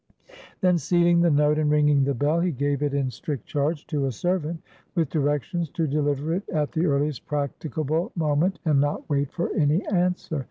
Then sealing the note, and ringing the bell, he gave it in strict charge to a servant, with directions to deliver it at the earliest practicable moment, and not wait for any answer.